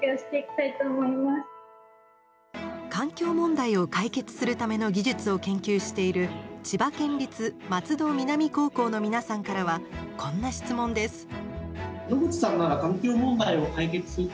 環境問題を解決するための技術を研究している千葉県立松戸南高校の皆さんからはこんな質問です。